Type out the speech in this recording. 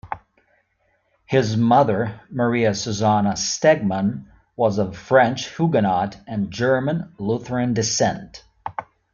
His mother, Maria Susanna Stegmann, was of French Huguenot and German Lutheran descent.